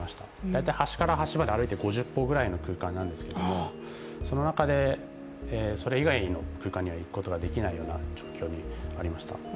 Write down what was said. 大体、端から端まで５０歩ぐらいの空間なんですけどその中で、それ以外の空間には行くことができないような状況にありました。